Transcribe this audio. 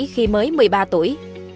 khi mới một mươi ba tuổi